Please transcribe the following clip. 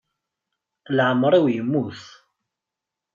Iɛemmer-iw yemmut.